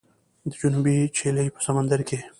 د جنوبي چیلي په سمندر کې